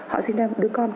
họ sinh ra một đứa con